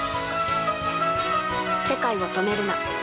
世界を、止めるな。